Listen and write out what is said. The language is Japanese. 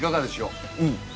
うん。